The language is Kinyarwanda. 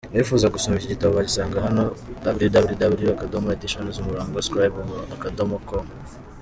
Abifuza gusoma iki gitabo bagisanga hano www.editions-scribe.com